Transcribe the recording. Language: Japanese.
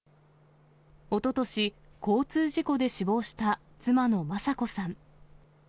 おととし、交通事故で死亡した妻の昌子さん。